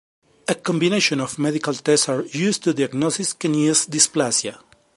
A combination of medical tests are used to diagnosis kniest dysplasia.